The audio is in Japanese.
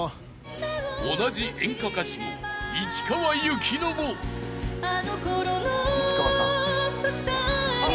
［同じ演歌歌手の市川由紀乃も］あ！